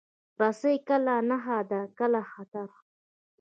رسۍ کله نښه ده، کله خطر.